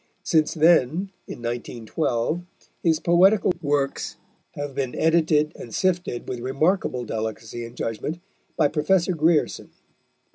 Since then, in 1912, his Poetical Works have been edited and sifted, with remarkable delicacy and judgment, by Professor Grierson.